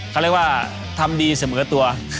เขาเรียกว่าทำดีเสมอตัว